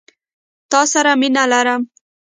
تا سره مينه لرم.